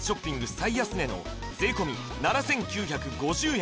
最安値の税込７９５０円